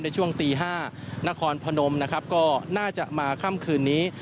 ในช่วงตี๕นครพนมนะครับก็น่าจะมาค่ำคืนนี้